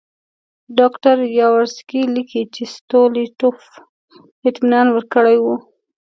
ډاکټر یاورسکي لیکي چې ستولیټوف اطمینان ورکړی وو.